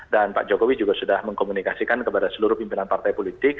dan pak jokowi juga sudah mengkomunikasikan kepada seluruh pimpinan partai politik